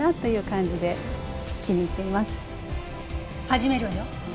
始めるわよ。